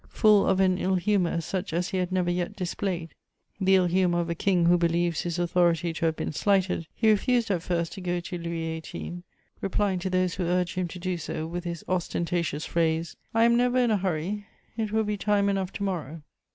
Full of an ill humour such as he had never yet displayed, the ill humour of a king who believes his authority to have been slighted, he refused at first to go to Louis XVIII., replying to those who urged him to do so with his ostentatious phrase: "I am never in a hurry; it will be time enough tomorrow."